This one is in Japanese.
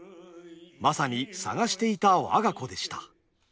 まさに捜していた我が子でした。